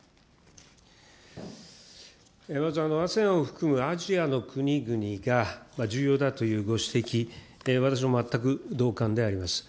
ＡＳＥＡＮを含むアジアの国々が重要だというご指摘、私も全く同感であります。